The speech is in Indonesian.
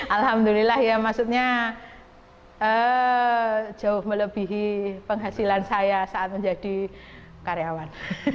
alhamdulillah ya maksudnya jauh melebihi penghasilan saya saat menjadi karyawan